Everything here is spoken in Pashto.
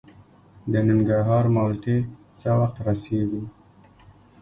د ننګرهار مالټې څه وخت رسیږي؟